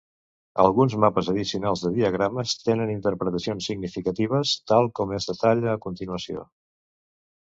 Alguns mapes addicionals de diagrames tenen interpretacions significatives, tal com es detalla a continuació.